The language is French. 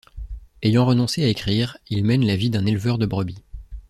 Ayant renoncé à écrire, il mène la vie d'un éleveur de brebis.